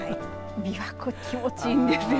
琵琶湖、気持ちいいんですよ。